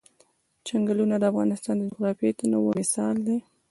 چنګلونه د افغانستان د جغرافیوي تنوع مثال دی.